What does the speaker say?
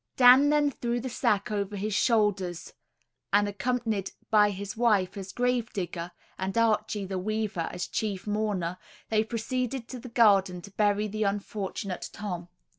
Dan then threw the sack over his shoulders, and accompanied by his wife as grave digger, and Archie the weaver as chief mourner, they proceeded to the garden to bury the unfortunate Tom.